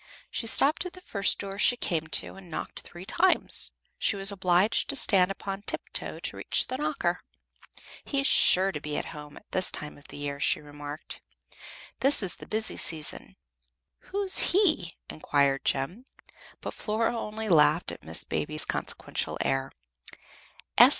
She stopped at the first door she came to, and knocked three times. She was obliged to stand upon tiptoe to reach the knocker. "He's sure to be at home at this time of year," she remarked. "This is the busy season." "Who's 'he'?" inquired Jem. But Flora only laughed at Miss Baby's consequential air.